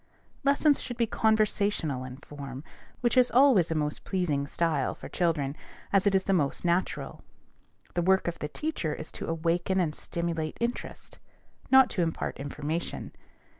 Lessons should be conversational in form, which is always a most pleasing style for children, as it is the most natural. The work of the teacher is to awaken and stimulate interest, not to impart information.